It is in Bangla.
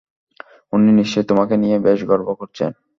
উনি নিশ্চয়ই তোমাকে নিয়ে বেশ গর্ব করছেন!